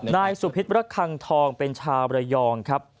นายสุพิษประคังทองเป็นชาวระยองครับ